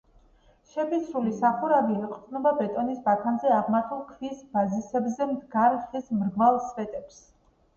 შეფიცრული სახურავი ეყრდნობა ბეტონის ბაქანზე აღმართულ ქვის ბაზისებზე მდგარ ხის მრგვალ სვეტებს.